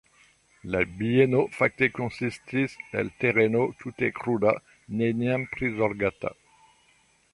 La bieno fakte konsistis el tereno tute kruda, neniam prizorgata.